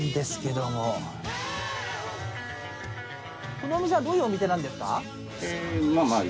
このお店はどういうお店なんですか？